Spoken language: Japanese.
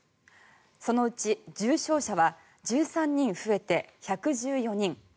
そのうち重症者は１３人増えて１１４人